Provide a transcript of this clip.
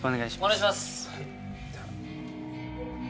お願いします。